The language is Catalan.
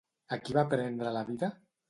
A qui va prendre la vida?